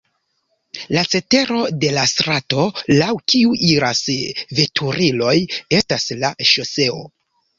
La cetero de la strato, laŭ kiu iras veturiloj estas la ŝoseo.